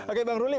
oke bang ruli